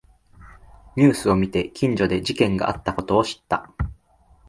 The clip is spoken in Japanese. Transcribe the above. ニュースを見て近所で事件があったことを知った